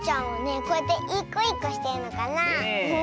こうやっていいこいいこしてるのかなあ。